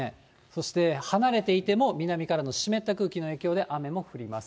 そして離れていても南からの湿った空気の影響で、雨も降ります。